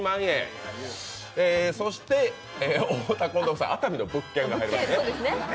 太田・近藤夫妻、熱海の物件が入りますね。